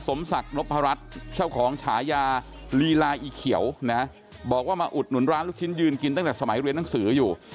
สมศักดิ์นพรัชเจ้าของฉายาลีลาอีเขียวนะบอกว่ามาอุดหนุนร้านลูกชิ้นยืนกินตั้งแต่สมัยเรียนหนังสืออยู่